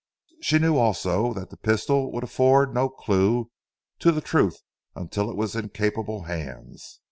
She knew also that the pistol would afford no clue to the truth until it was in capable hands.